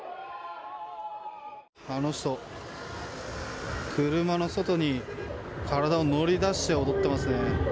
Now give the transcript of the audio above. あの人、車の外に体を乗り出して踊ってますね。